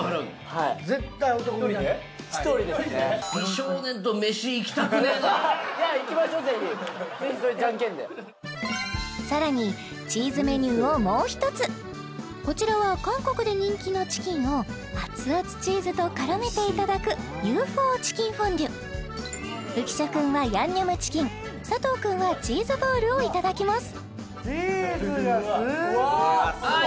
はいいや行きましょうぜひぜひそれジャンケンでさらにチーズメニューをもう一つこちらは韓国で人気のチキンを熱々チーズと絡めていただくＵＦＯチキンフォンデュ浮所君はヤンニョムチキン佐藤君はチーズボールをいただきますチーズがすごい！